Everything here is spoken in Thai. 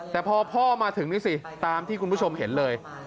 แต่พอพ่อมาถึงนี่สิตามที่คุณผู้ชมเห็นเลย